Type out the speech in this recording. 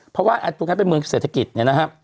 เพราะว่าตรงนั้นเป็นเมืองเศรษฐกิจ